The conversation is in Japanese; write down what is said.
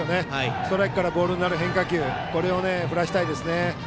ストライクからボールになる変化球を振らせたいですね。